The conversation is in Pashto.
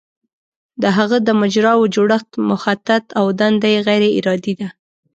د هغه د مجراوو جوړښت مخطط او دنده یې غیر ارادي ده.